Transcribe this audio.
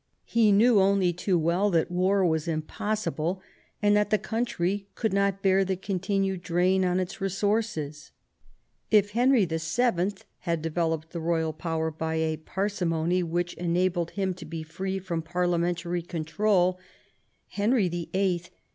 He knew only too well that war was impossible, and that the country could not bear the continued drain on its resources. If Henry VII. had developed the royal power by a parsimony which enabled him to be free from parliamentary control, Henry VIH.